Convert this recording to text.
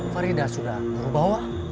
farida sudah buru bawa